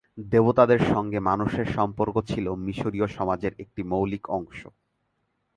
দেবতাদের সঙ্গে মানুষের সম্পর্ক ছিল মিশরীয় সমাজের একটি মৌলিক অংশ।